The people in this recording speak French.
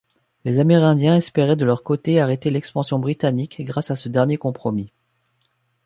Les Amérindiens espéraient de leur côté arrêter l'expansion britannique grâce à ce dernier compromis.